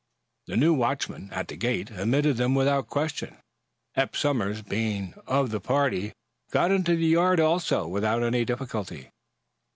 The new watchman, at the gate, admitted them without question. Eph Somers, being of the party, got into the yard also, without any difficulty.